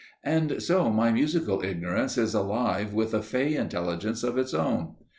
And so my musical ignorance is alive with a fey intelligence of its own.